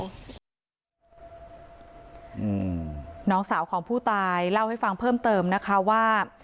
อืมน้องสาวของผู้ตายเล่าให้ฟังเพิ่มเติมนะคะว่า